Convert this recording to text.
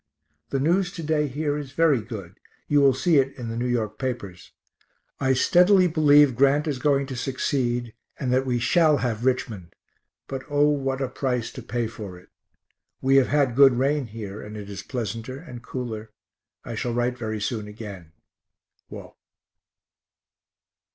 The news to day here is very good you will see it [in the] N. Y. papers. I steadily believe Grant is going to succeed, and that we shall have Richmond but O what a price to pay for it. We have had a good rain here and it is pleasanter and cooler. I shall write very soon again. WALT.